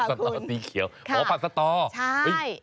สตอสีเขียวค่ะคุณ